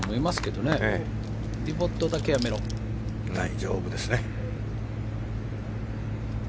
大丈夫ですね。